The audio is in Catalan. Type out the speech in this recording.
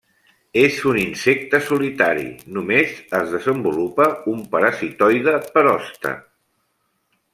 És un insecte solitari, només es desenvolupa un parasitoide per hoste.